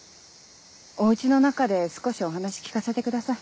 お家の中で少しお話聞かせてください。